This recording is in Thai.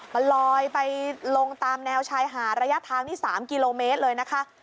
มันลอยไปลงตามแนวชายหาดระยะทางนี่๓กิโลเมตรเลยนะคะ